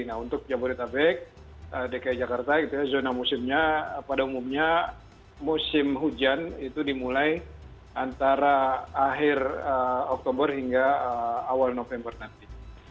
nah untuk jabodetabek dki jakarta zona musimnya pada umumnya musim hujan itu dimulai antara akhir oktober hingga awal november nanti